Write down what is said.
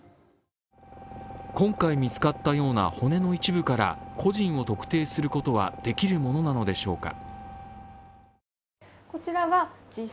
今回見つかったような骨の一部から個人を特定することはできるものなのでしょうか？